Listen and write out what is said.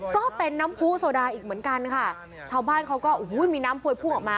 ก็เป็นน้ำผู้โซดาอีกเหมือนกันค่ะชาวบ้านเขาก็โอ้โหมีน้ำพวยพุ่งออกมา